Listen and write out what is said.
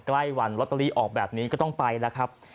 ใกล้วันลอตเตอรี่ออกแบบนี้ก็ต้องไปแล้วครับ